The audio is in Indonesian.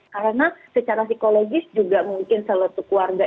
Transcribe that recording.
karena secara psikologis juga mungkin seluruh keluarga